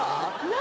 何？